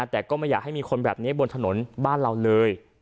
แต่ก็ไม่อยากให้มีคนแบบนี้บนถนนบ้านเราเลย